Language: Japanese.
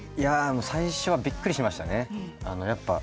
最初はびっくりしましたね。